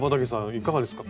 いかがですか？